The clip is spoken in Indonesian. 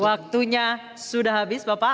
waktunya sudah habis bapak